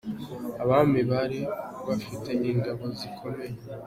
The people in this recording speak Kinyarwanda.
Abami bari bafite ingabo zikomeye.